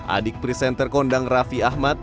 adik presenter kondang raffi ahmad